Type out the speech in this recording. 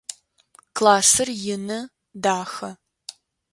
Классыр ины, дахэ.